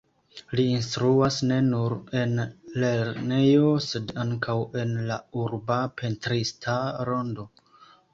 Li instruas ne nur en lernejo, sed ankaŭ en la urba pentrista rondo.